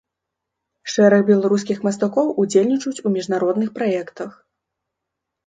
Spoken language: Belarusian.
Шэраг беларускіх мастакоў удзельнічаюць у міжнародных праектах.